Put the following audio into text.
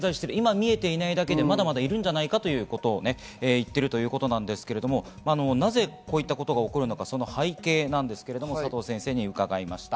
見えていないだけで、まだまだいるんじゃないかということを言ってるんですが、なぜこういったことが起こるのかその背景なんですけれども佐藤先生に伺いました。